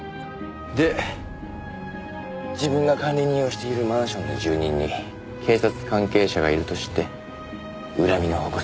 で自分が管理人をしているマンションの住人に警察関係者がいると知って恨みの矛先を向けた。